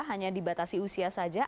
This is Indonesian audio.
hanya dibatasi usia saja